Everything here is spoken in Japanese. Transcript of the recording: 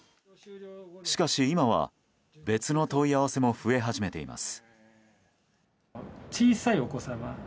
しかし今は、別の問い合わせも増え始めています。